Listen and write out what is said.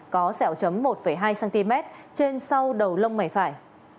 có sẹo chấm một hai cm trên sau đầu lông mày phải